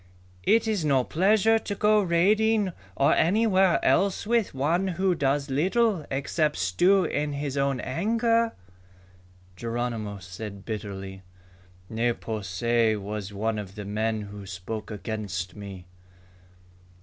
It is no pleasure to go raiding or anywhere else with one who does little except stew in his own anger." Geronimo said bitterly, "Ne po se was one of the men who spoke against me."